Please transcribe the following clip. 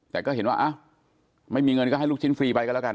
แต่ก็เห็นว่าอ้าวไม่มีเงินก็ให้ลูกชิ้นฟรีไปกันแล้วกัน